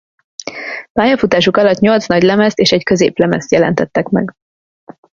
Pályafutásuk alatt nyolc nagylemezt és egy középlemezt jelentettek meg.